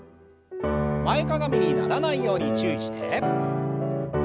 前かがみにならないように注意して。